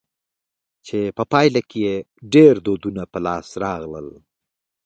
چي په پايله کښي ئې ډېر دودونه په لاس راغلل.